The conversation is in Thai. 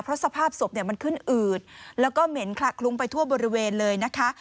เพราะสภาพศพเนี่ยมันขึ้นอืดแล้วก็เหม็นคละคลุ้งไปทั่วบริเวณเลยนะคะ